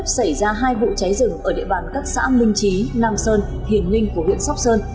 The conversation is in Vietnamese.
trong tháng sáu năm hai nghìn hai mươi ba liên tiếp xảy ra hai vụ cháy rừng ở địa bàn các xã minh chí nam sơn hiền ninh của huyện sóc sơn